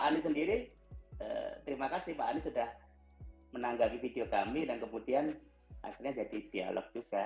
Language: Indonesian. anies sendiri terima kasih pak anies sudah menanggapi video kami dan kemudian akhirnya jadi dialog juga